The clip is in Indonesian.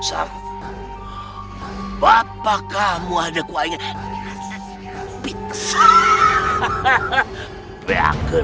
jangan kamu melukai aku